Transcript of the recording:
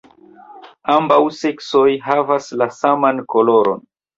Ambaŭ seksoj havas la saman koloron.